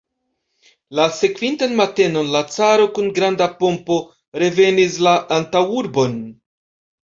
La sekvintan matenon la caro kun granda pompo revenis la antaŭurbon.